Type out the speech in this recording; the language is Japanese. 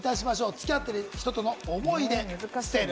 つき合っていた人との思い出、捨てる？